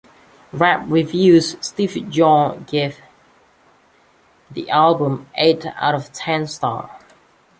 RapReviews' Steve Juon gave the album eight out of ten stars.